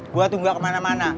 gua tuh gak kemana mana